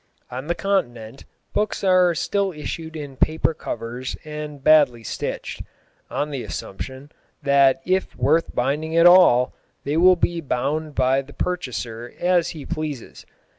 On the Continent books are still issued in paper covers and badly stitched, on the assumption that if worth binding at all, they will be bound by the purchaser as he pleases.